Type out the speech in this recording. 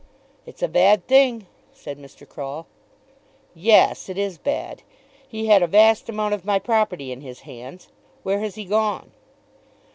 "It's a bad thing," said Mr. Croll. "Yes; it is bad. He had a vast amount of my property in his hands. Where has he gone?"